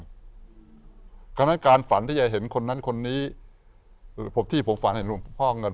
เพราะฉะนั้นการฝันที่จะเห็นคนนั้นคนนี้ที่ผมฝันเห็นหลวงพ่อเงิน